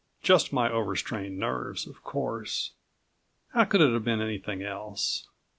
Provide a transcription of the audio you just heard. Just my over strained nerves, of course. How could it have been anything else?